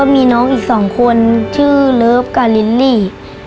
มีน้องอีก๒คนชื่อเลิฟกับลิลลี่